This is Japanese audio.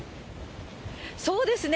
そうですね。